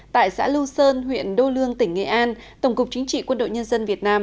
tại xã lưu sơn huyện đô lương tỉnh nghệ an tổng cục chính trị quân đội nhân dân việt nam